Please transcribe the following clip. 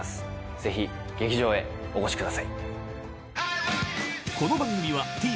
ぜひ劇場へお越しください。